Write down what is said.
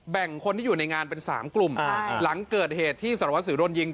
คนที่อยู่ในงานเป็น๓กลุ่มหลังเกิดเหตุที่สารวัสสิวโดนยิง